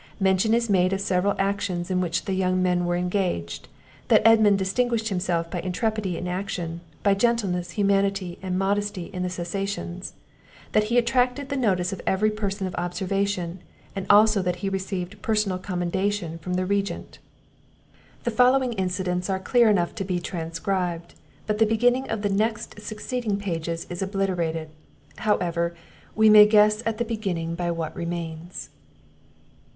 Mention is made of several actions in which the young men were engaged that Edmund distinguished himself by intrepidity in action; by gentleness, humanity and modesty in the cessations that he attracted the notice of every person of observation, and also that he received personal commendation from the Regent.] [The following incidents are clear enough to be transcribed; but the beginning of the next succeeding pages is obliterated. However, we may guess at the beginning by what remains.